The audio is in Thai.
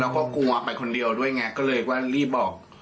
เราก็กลัวไปคนเดียวด้วยไงเลยก็รีบบอก